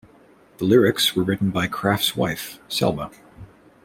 The lyrics were written by Craft's wife, Selma.